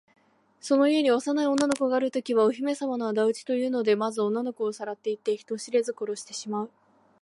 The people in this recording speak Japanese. その家に幼い女の子があるときは、お姫さまのあだ討ちだというので、まず女の子をさらっていって、人知れず殺してしまう。